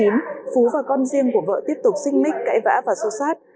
phú và con riêng của vợ tiếp tục xích mích cãi vã và xô xát